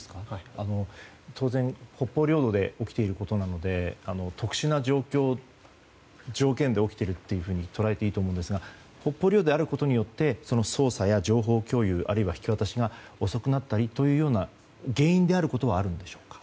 当然、北方領土で起きていることなので特殊な状況、条件で起きていると捉えていいと思うんですが北方領土であることによって捜査や情報共有あるいは引き渡しが遅くなったりというような原因であることはあるんでしょうか？